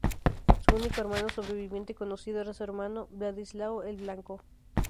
Su único hermano sobreviviente conocido era su hermano, Vladislao el Blanco.